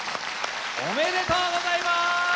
おめでとうございます！